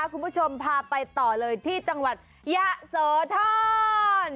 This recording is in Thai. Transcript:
คุณผู้ชมพาไปต่อเลยที่จังหวัดยะโสธร